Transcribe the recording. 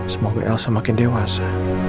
semoga elsa makin dewasa